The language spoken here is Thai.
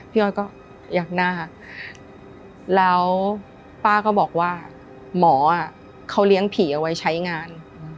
อ้อยก็อยากหน้าแล้วป้าก็บอกว่าหมอเขาเลี้ยงผีเอาไว้ใช้งาน